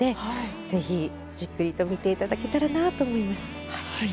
ぜひじっくりと見ていただけたらなと思います。